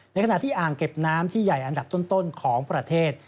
ในขณะที่อ่างเก็บน้ำที่ใหญ่อันดับต้นของประเทศ